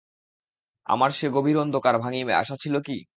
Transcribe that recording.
আমার সে গভীর অন্ধকার ভাঙিবে আশা ছিল কি?